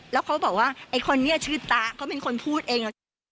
แล้วเขาบอกว่าไอ้คนนี้ชื่อตาเขาเป็นคนพูดเอง